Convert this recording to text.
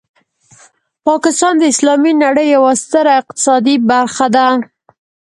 پاکستان د اسلامي نړۍ یوه ستره اقتصادي برخه ده.